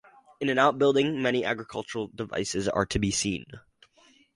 In an outbuilding, many agricultural devices are to be seen.